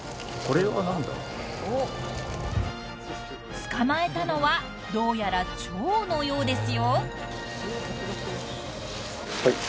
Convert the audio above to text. ［捕まえたのはどうやらチョウのようですよ］